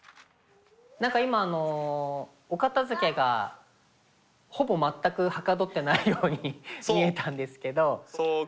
何か今お片づけがほぼ全くはかどってないように見えたんですけど。